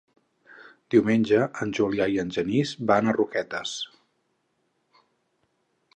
Diumenge en Julià i en Genís van a Roquetes.